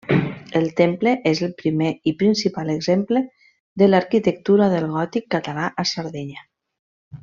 El temple és el primer i principal exemple de l'arquitectura del gòtic català a Sardenya.